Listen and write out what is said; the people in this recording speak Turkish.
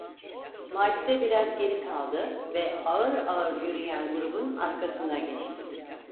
Macide biraz geri kaldı ve ağır ağır yürüyen grubun arkasına geçti.